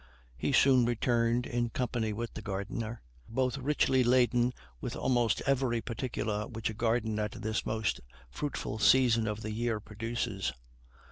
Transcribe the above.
He soon returned, in company with the gardener, both richly laden with almost every particular which a garden at this most fruitful season of the year produces.